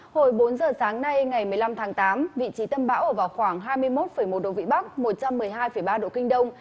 hồi bốn giờ sáng nay ngày một mươi năm tháng tám vị trí tâm bão ở vào khoảng hai mươi một một độ vĩ bắc một trăm một mươi hai ba độ kinh đông